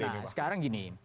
nah sekarang gini